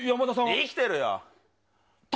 生きてる。